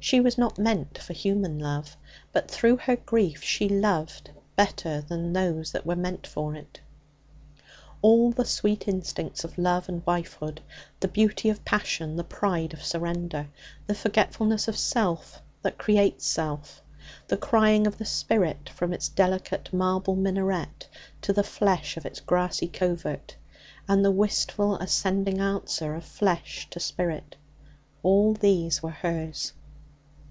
She was not meant for human love. But through her grief she loved better than those that were meant for it. All the sweet instincts of love and wifehood; the beauty of passion; the pride of surrender; the forgetfulness of self that creates self; the crying of the spirit from its delicate marble minaret to the flesh in its grassy covert, and the wistful, ascending answer of flesh to spirit all these were hers.